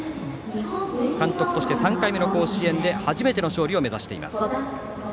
監督として３回目の甲子園で初めての勝利を目指しています。